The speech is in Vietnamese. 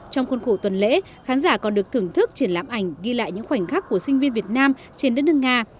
trong khuôn khổ tuần lễ khán giả còn được thưởng thức triển lãm ảnh ghi lại những khoảnh khắc của sinh viên việt nam trên đất nước nga